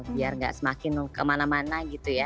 biar gak semakin kemana mana gitu ya